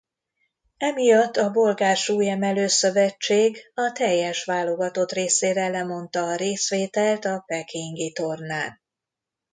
Emiatt a Bolgár Súlyemelő-szövetség a teljes válogatott részére lemondta a részvételt a pekingi tornán.